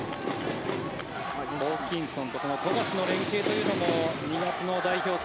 ホーキンソンと富樫の連係というのも２月の代表選